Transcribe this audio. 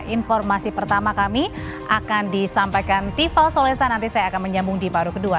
informasi pertama kami akan disampaikan tifa solesa nanti saya akan menyambung di paru kedua